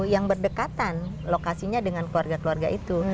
yang berdekatan lokasinya dengan keluarga keluarga itu